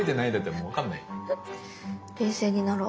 冷静になろう。